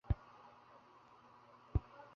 বললেন, এ কী কাণ্ড।